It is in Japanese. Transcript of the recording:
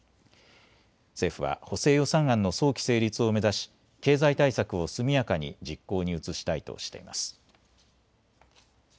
政府は補正予算案の早期成立を目指し経済対策を速やかに実行に移したいとしています。